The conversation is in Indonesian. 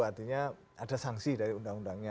artinya ada sanksi dari undang undangnya